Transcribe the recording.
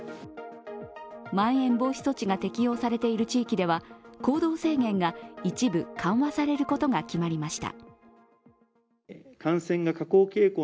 まん延防止措置が適用されている地域では行動制限が一部緩和されることが決まりました。